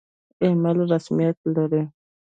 ایمیل رسمیت لري؟